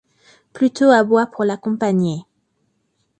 Pluto aboie pour l'accompagner.